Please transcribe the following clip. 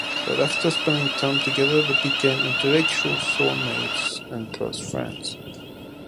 But after spending time together, they "became intellectual soul-mates and close friends".